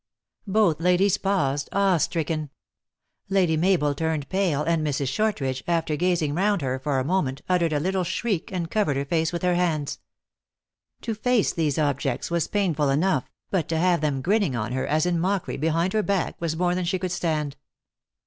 Both ladies paused, awe stricken. Lady Mabel turned pale, and Mrs. Shortridge, after gazing round her for a moment, uttered a little shriek, and covered her face with her hands. To face these objects was painful enough, but to have them grinning on her, as in mockery, behind her back, was more than she could stand.